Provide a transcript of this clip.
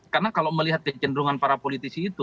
karena kalau melihat kecenderungan para politisi itu